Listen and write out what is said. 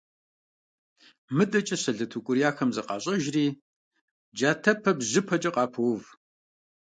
МыдэкӀэ сэлэт укӀурияхэм зыкъащӀэжри джатэпэ-бжыпэкӀэ къыпоув.